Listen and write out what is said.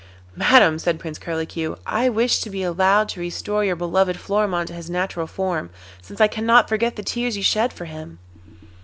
'Madam,' said Prince Curlicue, 'I wish to be allowed to restore your beloved Florimond to his natural form, since I cannot forget the tears you shed for him.